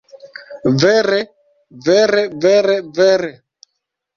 Vere, vere vere vere...